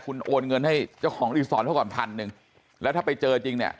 คุณโอนเงินให้เจ้าของรีสอร์ทเขาก่อนพันหนึ่งแล้วถ้าไปเจอจริงเนี่ย